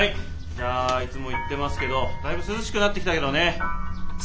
じゃあいつも言ってますけどだいぶ涼しくなってきたけどね。